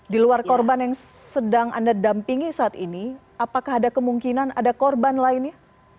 di luar korban yang sedang anda dampingi saat ini apakah ada kemungkinan ada korban lainnya